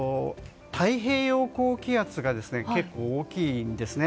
太平洋高気圧が結構大きいんです。